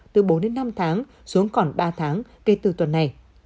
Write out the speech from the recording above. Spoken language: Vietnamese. từ bốn đến năm tháng xuống còn ba tháng kể từ tuần này